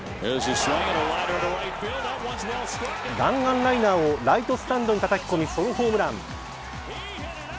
弾丸ライナーをライトスタンドにたたき込みソロホームラン。